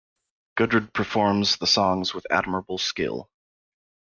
Gudrid performs the songs with admirable skill.